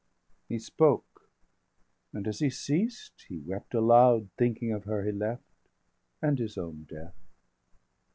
He spoke; and as he ceased, he wept aloud, Thinking of her he left, and his own death.